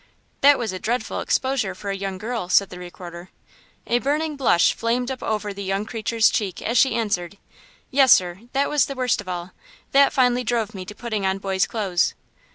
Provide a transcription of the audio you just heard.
"That was a dreadful exposure for a young girl," said the Recorder. A burning blush flamed up over the young creature's cheek as she answered: "Yes, sir, that was the worst of all; that finally drove me to putting on boy's clothes."